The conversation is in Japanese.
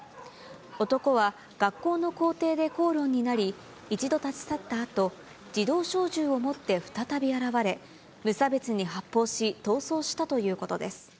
男は学校の校庭で口論になり、一度立ち去ったあと、自動小銃を持って再び現れ、無差別に発砲し、逃走したということです。